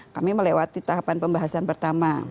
kami melewati tahapan pembahasan pertama